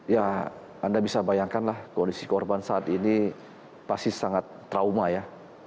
ya anda bisa bayangkanlah kondisi korban saat ini pasti sangat trauma ya